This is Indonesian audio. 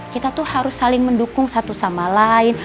kita tuh harus saling mendukung satu sama lain